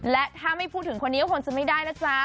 และถ้าไม่พูดถึงคนนี้ก็คงจะไม่ได้นะจ๊ะ